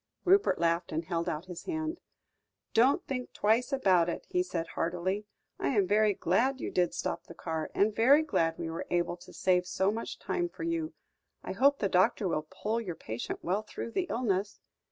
Rupert laughed and held out his hand. "Don't think twice about it," he said heartily. "I am very glad you did stop the car, and very glad we were able to save so much time for you. I hope the doctor will pull your patient well through the illness."